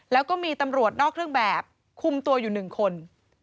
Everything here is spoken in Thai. แล้วก็มีตำรวจนอกเครื่องแบบคุมตัวอยู่๑คน